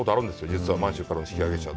実は満州からの引揚者を。